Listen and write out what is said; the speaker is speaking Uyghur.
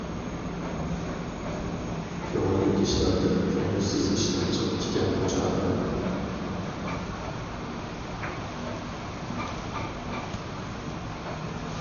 كۆڭۈللۈك ئىشلاردىن كۆڭۈلسىز ئىشلار جىق ئىكەن بۇ جاھاندا!